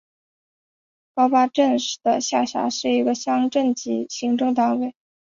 覃巴镇是下辖的一个乡镇级行政单位。